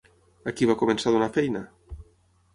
A qui va començar a donar feina?